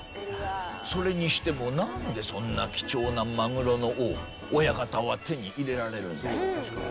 それにしてもなんでそんな貴重なマグロの尾を親方は手に入れられるんだい？